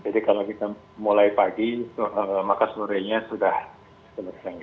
jadi kalau kita mulai pagi maka seluruh renyah sudah selesai